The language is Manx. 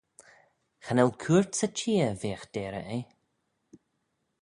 Cha nel cooyrt sy çheer veagh deyrey eh.